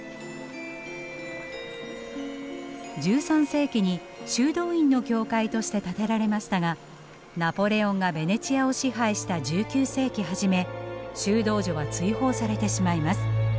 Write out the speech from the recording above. １３世紀に修道院の教会として建てられましたがナポレオンがベネチアを支配した１９世紀初め修道女は追放されてしまいます。